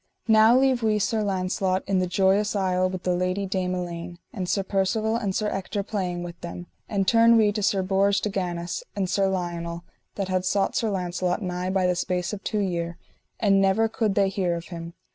Now leave we Sir Launcelot in the Joyous Isle with the Lady Dame Elaine, and Sir Percivale and Sir Ector playing with them, and turn we to Sir Bors de Ganis and Sir Lionel, that had sought Sir Launcelot nigh by the space of two year, and never could they hear of him.